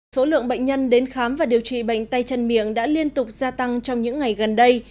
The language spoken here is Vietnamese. số lượng bệnh nhân đến khám và điều trị bệnh tay chân miệng đã liên tục gia tăng trong những ngày gần đây